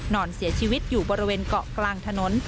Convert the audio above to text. นอนเสียชีวิตอยู่บริเวณเกาะกลางถนน